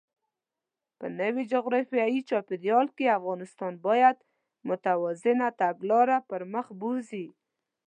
په نوي جغرافیايي چاپېریال کې، افغانستان باید متوازنه تګلاره پرمخ بوځي.